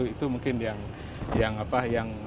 itu mungkin yang